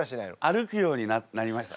歩くようになりました。